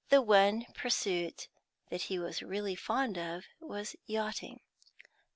The one pursuit that he was really fond of was yachting.